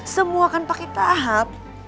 semua kan pake tahap